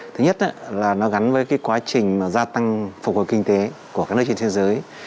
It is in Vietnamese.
thứ nhất là nó gắn với quá trình gia tăng phục hồi kinh tế của các nước trên thế giới